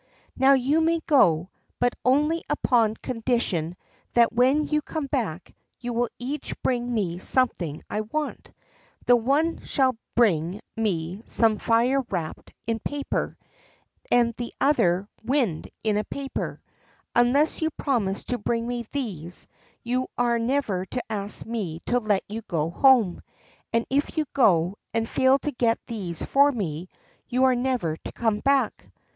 Now you may go, but only upon condition that when you come back you will each bring me something I want. The one shall bring me some fire wrapped in paper, and the other some wind in a paper. Unless you promise to bring me these, you are never to ask me to let you go home; and if you go, and fail to get these for me, you are never to come back."